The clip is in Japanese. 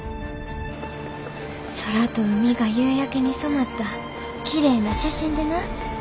空と海が夕焼けに染まったきれいな写真でな。